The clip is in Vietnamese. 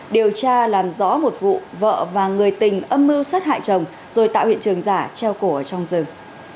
điều tra làm rõ một vụ vợ và người tình âm mưu sát hại chồng rồi tạo hiện trường giả treo cổ ở trong rừng